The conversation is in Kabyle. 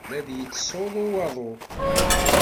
La d-yettsuḍu waḍu.